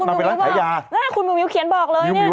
นางไปร้านขายยาคุณมิวเขียนบอกเลยนี่